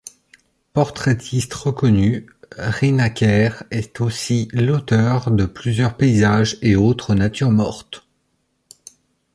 Portraitiste reconnu, Rienäcker est aussi l'auteur de plusieurs paysages et autres natures mortes.